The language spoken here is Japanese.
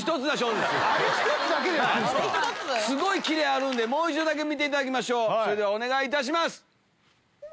すごいキレあるんでもう一度見ていただきましょうそれではお願いいたします。